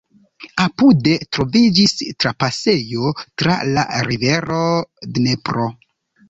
Apude troviĝis trapasejo tra la rivero Dnepro.